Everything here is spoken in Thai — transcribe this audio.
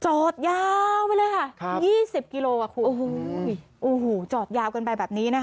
จอดยาวไปเลยค่ะครับยี่สิบกิโลกว่าครูโอ้โหจอดยาวกันไปแบบนี้นะคะ